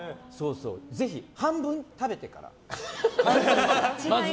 ぜひ、まずは半分食べてから。